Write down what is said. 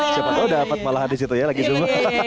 siapa tau dapat malahan di situ ya lagi zoom